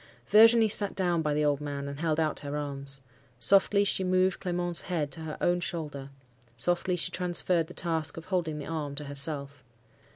Virginie sat down by the old man, and held out her arms. Softly she moved Clement's head to her own shoulder; softly she transferred the task of holding the arm to herself.